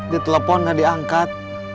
dia telepon gak diangkat